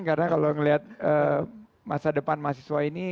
karena kalau ngeliat masa depan mahasiswa ini